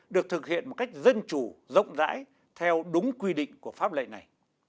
được thực hiện một cách dân chủ rộng rãi theo đúng quy định của pháp lệnh này